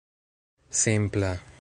simpla